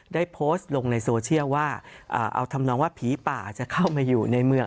ได้โพสต์ลงในโซเชียลว่าเอาทำนองว่าผีป่าจะเข้ามาอยู่ในเมือง